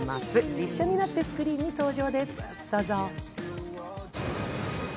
実写になってスクリーンに登場です、どうぞ。